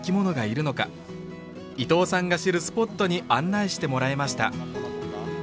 伊藤さんが知るスポットに案内してもらいました